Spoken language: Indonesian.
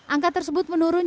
angka tersebut menurutnya